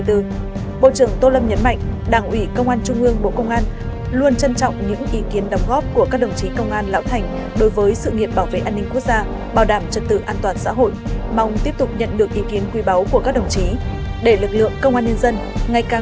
để lực lượng công an nhân dân ngày càng trong sạch vững mạnh chính quy tinh nguyện hiện đại